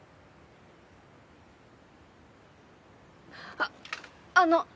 あっあの！